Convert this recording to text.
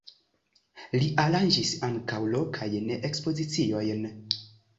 Li aranĝis ankaŭ lokajn ekspoziciojn.